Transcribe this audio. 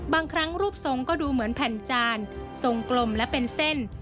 บางครั้งรูปทรงก็ดูเหมือนแผ่นจานทรงกลมและเป็นเส้น